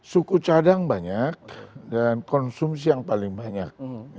suku cadang banyak dan konsumsi yang paling banyak